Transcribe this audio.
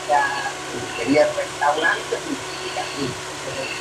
Sin embargo Yvette le ayudará a evadirse.